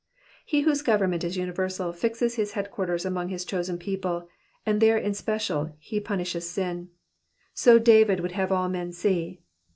"^^ He whose government is universal fixes his headquarters among his chosen people, and there in special he punishes sin. So David would have all men see.